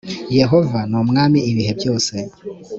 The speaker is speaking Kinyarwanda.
yehova numwami ibihebyose.